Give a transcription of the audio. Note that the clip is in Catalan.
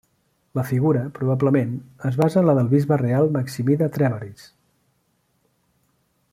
La figura, probablement, es basa en la del bisbe real Maximí de Trèveris.